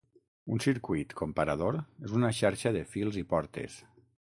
Un circuit comparador és una xarxa de fils i portes.